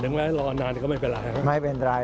อย่างไรรอนานก็ไม่เป็นไร